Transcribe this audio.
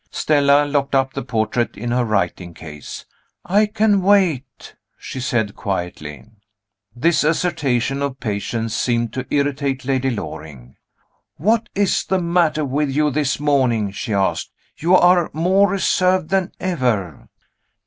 Stella locked up the portrait in her writing case. "I can wait," she said quietly. This assertion of patience seemed to irritate Lady Loring "What is the matter with you this morning?" she asked. "You are more reserved than ever."